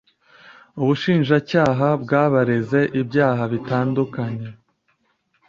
Ubushinjacyaha bwabareze ibyaha bitandukanye